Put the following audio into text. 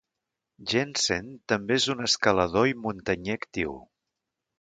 Jenssen també és un escalador i muntanyer actiu.